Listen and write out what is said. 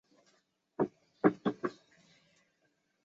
乌济伊人口变化图示